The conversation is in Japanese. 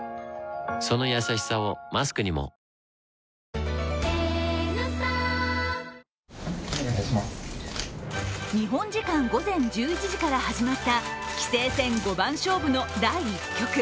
そのやさしさをマスクにも日本時間午前１１時から始まった棋聖戦五番勝負の第１局。